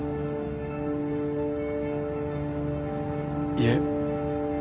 いえ。